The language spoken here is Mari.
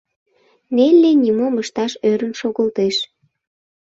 Нелли нимом ышташ ӧрын шогылтеш.